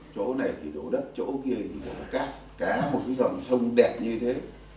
chỗ này thì đổ đất chỗ kia thì đổ cá cá một cái dòng sông đẹp như thế